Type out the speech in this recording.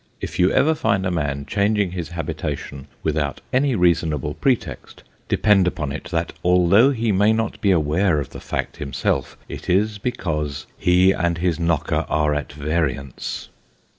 If you ever find a man changing his habitation without any reasonable pretext, depend upon it, that, although he may not be aware of the fact himself, it is because he and his knocker are at variance.